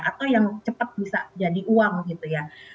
atau yang cepat bisa jadi uang gitu ya